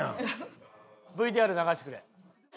ＶＴＲ流してくれ。